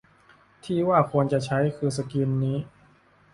ที่ว่าควรจะใช้ คือสกิลนี้